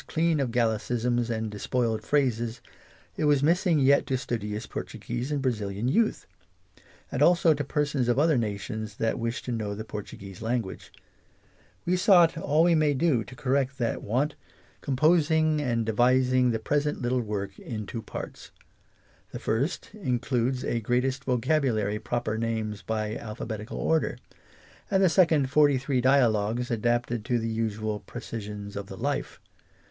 *■ clean of gallicisms, and despoiled phrases, it was missing yet to studious Portuguese and brazilian Youth; and also to persons of others nations, that wish to know the Portuguese language. IVe sought all we may do, to correct that English as she is spoke. wanit composing and divising the present little work in two parts. The first in eludes a greatest vocabulary proper names by alphabetical order ; and the second forty three Dialogues adapted to the usual pre cisions of the life.